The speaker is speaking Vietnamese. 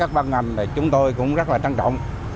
các băng ngành này chúng tôi cũng rất là trân trọng